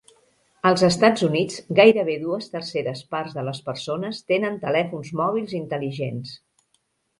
Als Estats Units, gairebé dues terceres parts de les persones tenen telèfons mòbils intel·ligents.